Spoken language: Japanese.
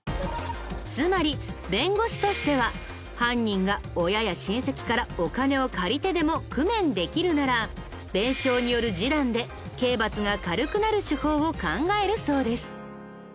つまり弁護士としては犯人が親や親戚からお金を借りてでも工面できるなら弁償による示談で刑罰が軽くなる手法を考えるそうです。